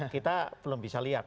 kita belum bisa lihat